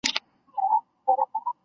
二是派员打入日伪内部搜集情报。